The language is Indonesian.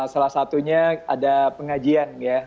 salah satunya ada pengajian ya